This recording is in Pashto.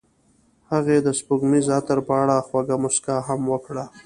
هغې د سپوږمیز عطر په اړه خوږه موسکا هم وکړه.